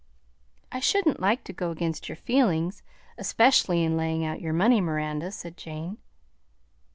"I shouldn't like to go against your feelings, especially in laying out your money, Miranda," said Jane.